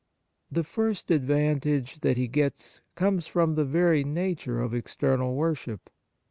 The first advantage that he gets comes from the very nature of external worship.